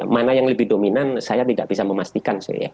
mana yang lebih dominan saya tidak bisa memastikan